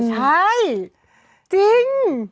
ช่ายจริง